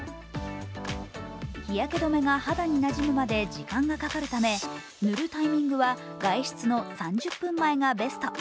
日焼け止めが肌になじむまで時間がかかるため塗るタイミングは外出の３０分前がベスト。